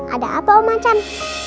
ada apa om achan